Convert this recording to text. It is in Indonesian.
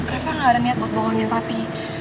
reva gak ada niat buat bohongin papi